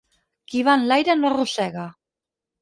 Qui va enlaire, no arrossega.